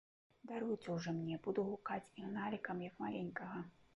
Даруйце ўжо мне, буду гукаць Ігналікам, як маленькага.